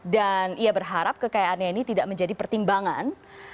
dan ia berharap kekayaannya ini tidak menjadi pertimbangan